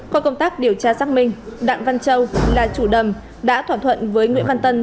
qua công tác điều tra xác minh đặng văn châu là chủ đầm đã thỏa thuận với nguyễn văn tân